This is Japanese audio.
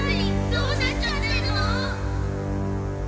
どうなっちゃってるの？